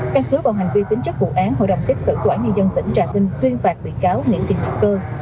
các hứa vào hành vi tính chất vụ án hội đồng xét xử quản nghiên dân tỉnh trà kinh tuyên phạt bị cáo nguyễn thị nguyễn cơ